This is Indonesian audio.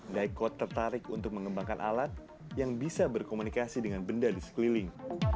diecode tertarik untuk mengembangkan alat yang bisa berkomunikasi dengan benda di sekeliling